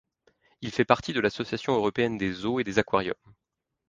Il fait partie de l'Association européenne des zoos et des aquariums.